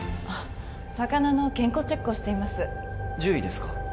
あっ魚の健康チェックをしています獣医ですか？